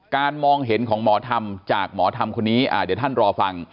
มองเห็นของหมอธรรมจากหมอธรรมคนนี้เดี๋ยวท่านรอฟัง